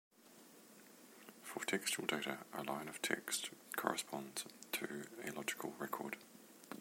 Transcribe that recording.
For textual data a line of text corresponds to a logical record.